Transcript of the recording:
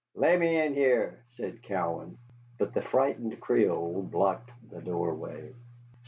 "Lemme in here," said Cowan. But the frightened Creole blocked the doorway.